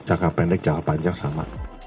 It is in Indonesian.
jangan jalan pendek jangan jalan panjang sama